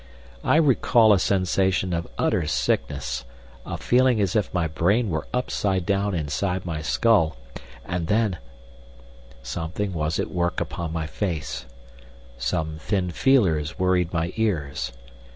I recall a sensation of utter sickness, a feeling as if my brain were upside down within my skull, and then— Something was at work upon my face, some thin feelers worried my ears.